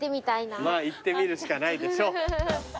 まあ行ってみるしかないでしょう。